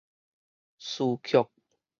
序曲